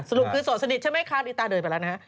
สรุปคือโสดสนิทใช่ไหมคะลีตาเดินไปแล้วนะฮะ